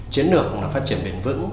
chiến lược cũng là phát triển bền vững